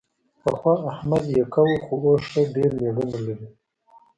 پخوا احمد یکه و، خو اوس ښه ډېر مېړونه لري.